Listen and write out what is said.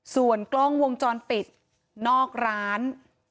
ส่วนกล้องวงจรปิดนอกร้าน